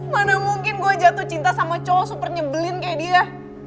mana mungkin gue jatuh cinta sama cowok super nyebelin kayak dia